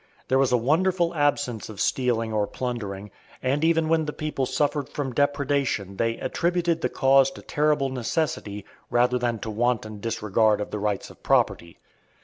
There was a wonderful absence of stealing or plundering, and even when the people suffered from depredation they attributed the cause to terrible necessity rather than to wanton disregard of the rights of property.